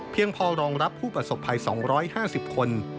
พอรองรับผู้ประสบภัย๒๕๐คน